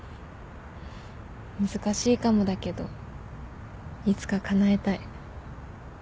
難しいかもだけどいつかかなえたい。